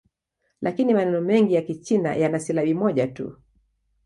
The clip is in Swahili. Lakini maneno mengi ya Kichina yana silabi moja tu.